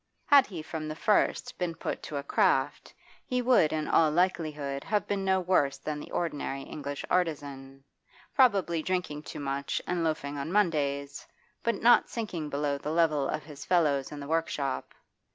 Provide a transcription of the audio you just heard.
Had he from the first been put to a craft, he would in all likelihood have been no worse than the ordinary English artisan probably drinking too much and loafing on Mondays, but not sinking below the level of his fellows in the workshop.